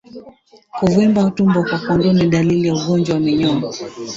Kuvimba tumbo kwa Kondoo ni dalili ya ugonjwa wa minyoo